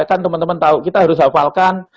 kan teman teman tahu kita harus hafalkan